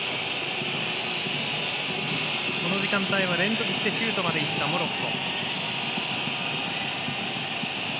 この時間帯は、連続してシュートまでいったモロッコ。